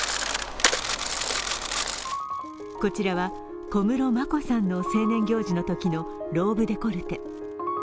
こちらは小室眞子さんの成年行事のときのローブデコルテ。